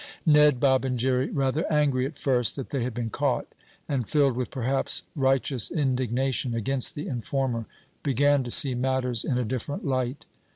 Ned, Bob and Jerry, rather angry at first that they had been caught, and filled with perhaps righteous indignation against the informer, began to see matters in a different light.